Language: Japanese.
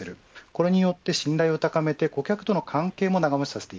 これによって信頼を高めて顧客との関係も長持ちさせる。